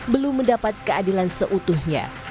belum mendapat keadilan seutuhnya